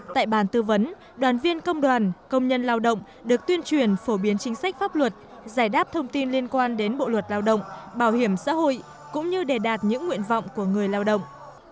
tại bàn tư vấn đoàn viên công đoàn công nhân lao động được tuyên truyền phổ biến chính sách pháp luật giải đáp thông tin liên quan đến bộ luật lao động bảo hiểm xã hội cũng như đề đạt những nguyện vọng của người lao động